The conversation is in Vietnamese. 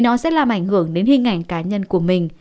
nó sẽ làm ảnh hưởng đến hình ảnh cá nhân của mình